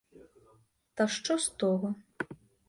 Та що з того.